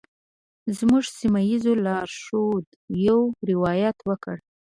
زموږ یوه سیمه ایز لارښود یو روایت وکړ.